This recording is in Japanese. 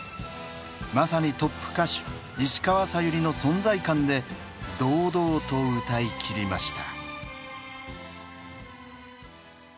まさにトップ歌手石川さゆりの存在感で堂々と歌い切りました。